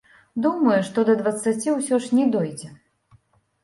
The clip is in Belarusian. Думаю, што да дваццаці ўсё ж не дойдзе.